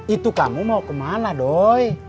itu kamu mau kemana doy